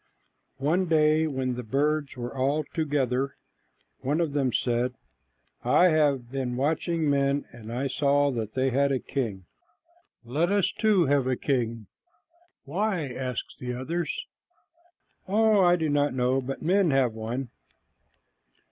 One day when the birds were all together, one of them said, "I have been watching men, and I saw that they had a king. Let us too have a king." "Why?" asked the others. "Oh, I do not know, but men have one."